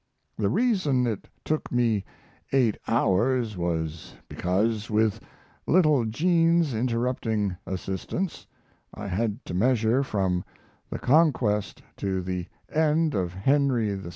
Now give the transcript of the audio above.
The reason it took me eight hours was because, with little Jean's interrupting assistance, I had to measure from the Conquest to the end of Henry VI.